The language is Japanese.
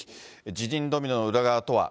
辞任ドミノの裏側とは。